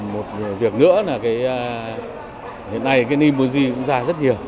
một việc nữa là hiện nay cái nibuji cũng ra rất nhiều